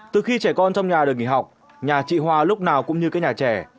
từ khi trẻ con trong nhà được nghỉ học nhà chị hoa lúc nào cũng như các nhà trẻ